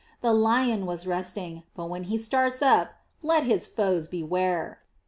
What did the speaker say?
The lion was resting, but when he starts up, let his foes beware!